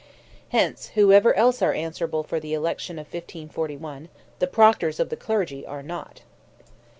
Hence, whoever else are answerable for the election of 1541 the proctors of the clergy are not.